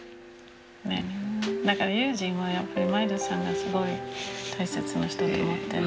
だから悠仁はやっぱり前田さんがすごい大切な人と思ってる。